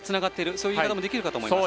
そういう言い方もできるかと思います。